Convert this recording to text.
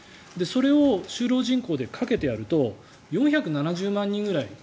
それを就労人口で掛けてやると４７０万人くらい。